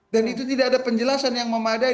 dan itu tidak ada penjelasan yang memadai